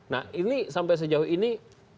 nah ini sampai sejauh ini